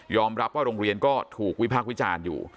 รับว่าโรงเรียนก็ถูกวิพากษ์วิจารณ์อยู่